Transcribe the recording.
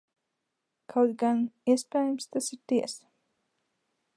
Kaut gan, iespējams, tas ir tiesa.